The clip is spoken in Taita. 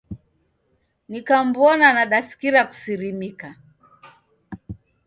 Nikamw'ona nadasikira kusirimika..